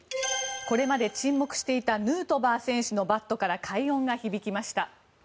これまで沈黙していたヌートバー選手のバットから快音が響きました。